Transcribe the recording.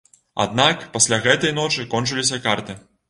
Аднак пасля гэтай ночы кончыліся карты.